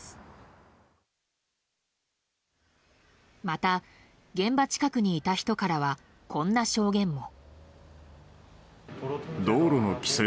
また、現場近くにいた人からはこんな証言も。